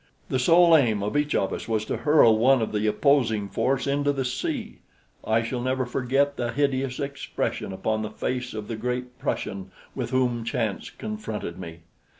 The sole aim of each of us was to hurl one of the opposing force into the sea. I shall never forget the hideous expression upon the face of the great Prussian with whom chance confronted me.